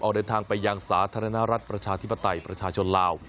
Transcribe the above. เดินทางไปยังสาธารณรัฐประชาธิปไตยประชาชนลาว